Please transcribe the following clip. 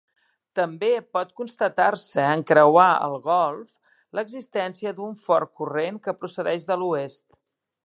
També pot constatar-se, en creuar el golf, l'existència d'un fort corrent que procedeix de l'oest.